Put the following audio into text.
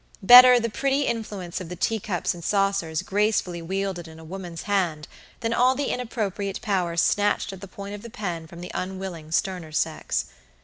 Better the pretty influence of the tea cups and saucers gracefully wielded in a woman's hand than all the inappropriate power snatched at the point of the pen from the unwilling sterner sex.